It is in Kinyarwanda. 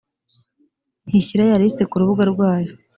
ntishyira ya lisiti ku rubuga rwayo